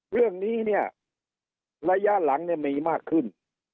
เรื่องนี้เนี่ยระยะหลังเนี่ยมีมากขึ้น